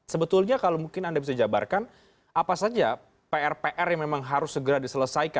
sebetulnya kalau mungkin anda bisa jabarkan apa saja pr pr yang memang harus segera diselesaikan